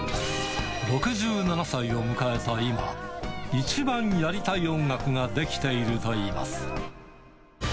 ６７歳を迎えた今、一番やりたい音楽ができているといいます。